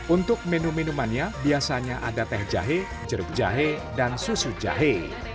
untuk menu minumannya biasanya ada teh jahe jeruk jahe dan susu jahe